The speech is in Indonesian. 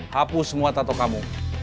hapus semua tato kamu